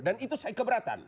dan itu saya keberatan